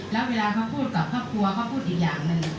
แล้วเวลาเขาพูดกับครอบครัวเขาพูดอีกอย่างหนึ่ง